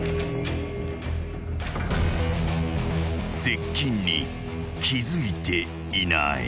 ［接近に気付いていない］